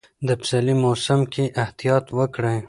د پسرلي موسم کې احتیاط وکړئ.